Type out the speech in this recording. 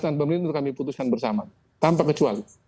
dan pemerintah untuk kami putuskan bersama tanpa kecuali